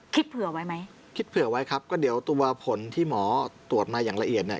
เผื่อไว้ไหมคิดเผื่อไว้ครับก็เดี๋ยวตัวผลที่หมอตรวจมาอย่างละเอียดเนี่ย